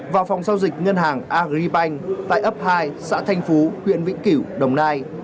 vào phòng giao dịch ngân hàng agribank tại ấp hai xã thạnh phú huyện vĩnh cửu đồng nai